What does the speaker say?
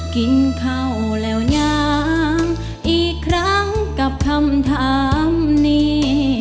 กินข้าวแล้วยังอีกครั้งกับคำถามนี้